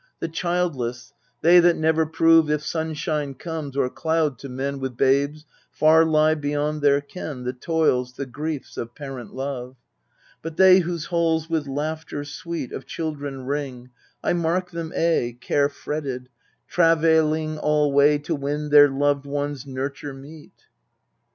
The childless, they that never prove If sunshine comes, or cloud, to men With babes, far lie beyond their ken The toils, the griefs, of parent love. But they whose halls with laughter sweet Of children ring I mark them aye Care fretted, travailing alwriv To win their loved ones nurture meet.